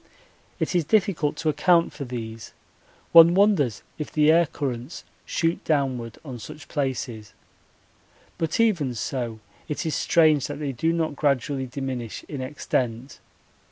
It is difficult to account for these one wonders if the air currents shoot downward on such places; but even so it is strange that they do not gradually diminish in extent.